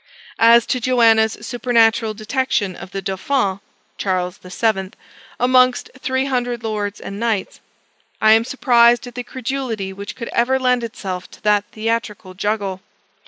As to Joanna's supernatural detection of the Dauphin (Charles VII.) amongst three hundred lords and knights. I am surprised at the credulity which could ever lend itself to that theatrical juggle.